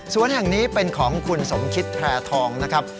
แห่งนี้เป็นของคุณสมคิตแพร่ทองนะครับ